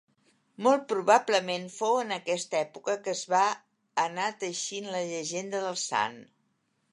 Molt probablement fou en aquesta època que es va anar teixint la llegenda del sant.